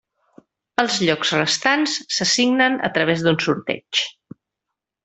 Els llocs restants s'assignen a través d'un sorteig.